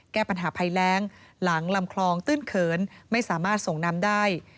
แก้ปัญหาภัยแรงหลังลำคลองตื้นเขินไม่สามารถส่งน้ำได้